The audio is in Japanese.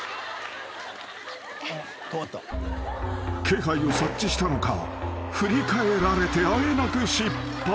［気配を察知したのか振り返られてあえなく失敗］